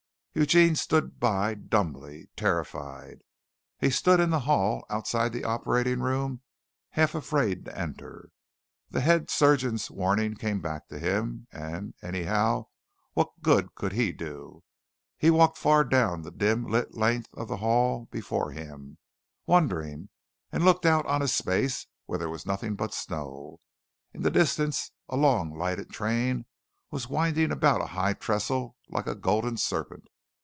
Eugene stood by dumbly, terrified. He stood in the hall, outside the operating room, half afraid to enter. The head surgeon's warning came back to him, and, anyhow, what good could he do? He walked far down the dim lit length of the hall before him, wondering, and looked out on a space where was nothing but snow. In the distance a long lighted train was winding about a high trestle like a golden serpent.